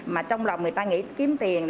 mà trong lòng người ta nghĩ kiếm tiền